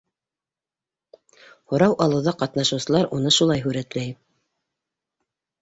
Һорау алыуҙа ҡатнашыусылар уны шулай һүрәтләй.